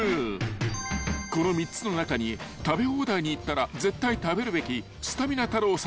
［この３つの中に食べ放題に行ったら絶対食べるべきすた